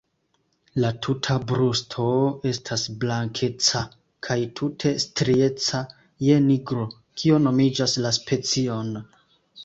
La tuta brusto estas blankeca kaj tute strieca je nigro, kio nomigas la specion.